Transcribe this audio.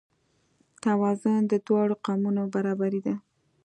توازن د دواړو قوتونو برابري ده.